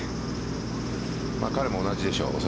彼も同じでしょう。